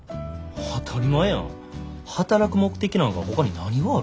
当たり前やん働く目的なんかほかに何があるん。